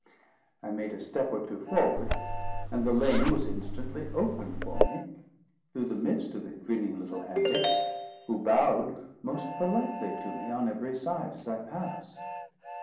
I made a step or two forward, and a lane was instantly opened for me through the midst of the grinning little antics, who bowed most politely to me on every side as I passed.